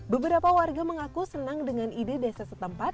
beberapa warga mengaku senang dengan ide desa setempat